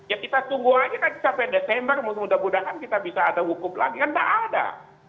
ya kita tunggu aja kan sampai desember mudah mudahan kita bisa ada hukum lagi kan tidak ada